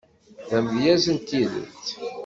D amedyaz n tidet.